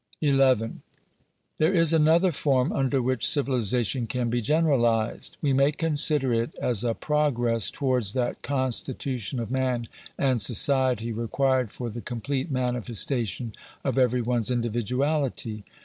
§ 11. There is another form under which civilization can be ge neralized. We may consider it as a progress towards that constitution of man and society required for the complete (manifestation of every ones individuality.